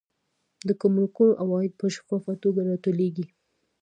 د ګمرکونو عواید په شفافه توګه راټولیږي.